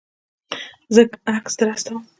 زه عکس در استوم